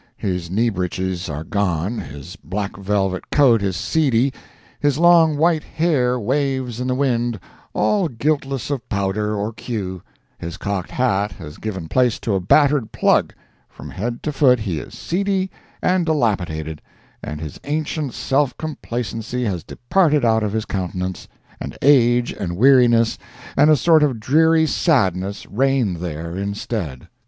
His knee breeches are gone, his black velvet coat is seedy, his long white hair waves in the wind all guiltless of powder or queue, his cocked hat has given place to a battered plug, from head to foot he is seedy and dilapidated, and his ancient self complacency has departed out of his countenance, and age and weariness and a sort of dreary sadness reign there instead.